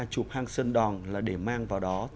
chụp hang sơn đòn là để mang vào đó